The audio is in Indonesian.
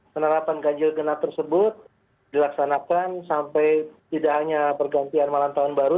penerapan ganjil genap tersebut dilaksanakan sampai tidak hanya pergantian malam tahun baru